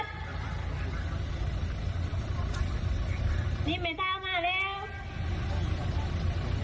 คุณแขนไม่ต้องกลัวนะครับ